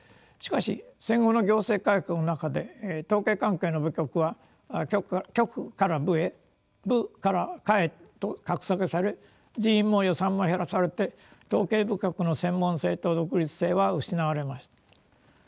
しかし戦後の行政改革の中で統計関係の部局は局から部へ部から課へと格下げされ人員も予算も減らされて統計部局の専門性と独立性は失われました。